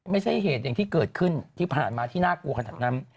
ไม่ใช่เหตุอย่างที่เกิดขึ้นที่ผ่านมาที่น่ากลัวขนาดนั้น